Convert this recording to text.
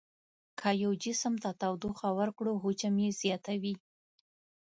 که یو جسم ته تودوخه ورکړو حجم یې زیاتوي.